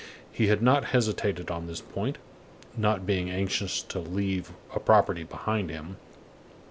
He had not hesitated on this point, not being anxious to leave a property behind him.